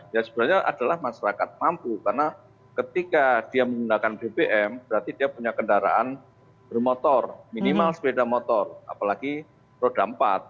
ya sebenarnya adalah masyarakat mampu karena ketika dia menggunakan bbm berarti dia punya kendaraan bermotor minimal sepeda motor apalagi roda empat